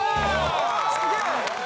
すげえ！